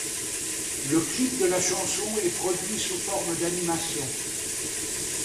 Le clip de la chanson est produit sous forme d'animation.